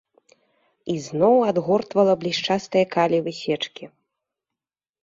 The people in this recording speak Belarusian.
І зноў адгортвала блішчастыя калівы сечкі.